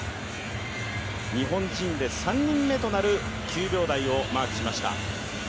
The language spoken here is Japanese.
日本人で３人目となる９秒台をマークしました。